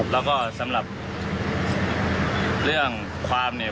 แล้วก็สำหรับเรื่องความเนี่ย